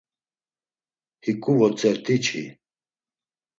Hiǩu votzert̆i çi!